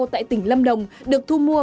tại tỉnh lâm đồng được thu mua